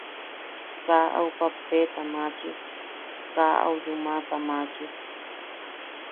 Kaa au pappeta maachi, kaa au yumaʼata maachi.